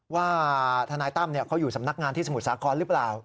ว่าทนายตั้มเขาอยู่สำนักงานที่สมุทรสาครหรือเปล่า